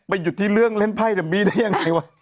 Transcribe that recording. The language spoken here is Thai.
ไปหยุดที่เรื่องเล่นไพระบีได้อย่างไรวะ